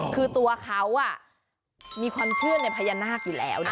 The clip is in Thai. คือตัวเขามีความเชื่อในพญานาคอยู่แล้วนะ